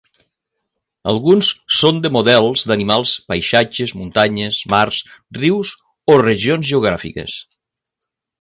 Alguns són de models d'animals, paisatges, muntanyes, mars, rius, o regions geogràfiques.